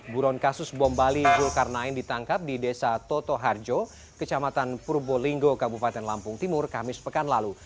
buron kasus bom bali zulkarnain ditangkap di desa toto harjo kecamatan purbolinggo kabupaten lampung timur kamis pekan lalu